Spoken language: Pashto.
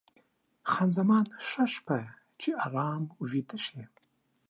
خان زمان: ښه شپه، چې ارام ویده شې.